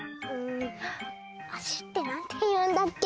「足」ってなんていうんだっけ？